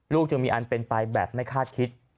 จึงมีอันเป็นไปแบบไม่คาดคิด